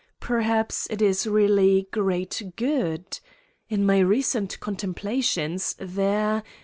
Per haps it is really great good? In my recent con templations, there